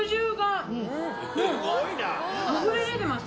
あふれ出てます